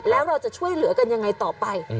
แล้วเราจะช่วยเหลือกันยังไงต่อไป